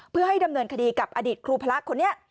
เพื่อให้ดำเนินคดีกับอดิษฐ์ครูพลักษมณ์คนนี้